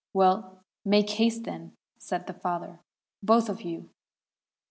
' 'Well, make haste, then,' said their father, 'both of you.'